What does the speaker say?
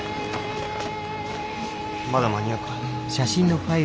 まだ間に合うか？